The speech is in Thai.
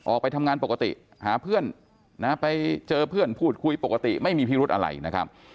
ออกไปทำงานปกติหาเพื่อนนะไปเจอเพื่อนพูดคุยปกติไม่มีพิรุธอะไรนะครับ